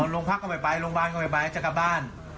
โรงพักก็ไม่ไปโรงพยาบาลก็ไม่ไปจะกลับบ้าน